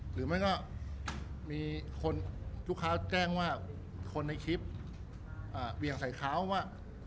หรือไม่ก็มีคนลูกค้าแจ้งว่าคนในคลิปเวี่ยงใส่เขาว่า